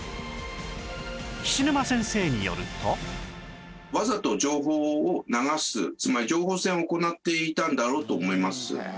菱沼先生によるとわざと情報を流すつまり情報戦を行っていたんだろうと思います。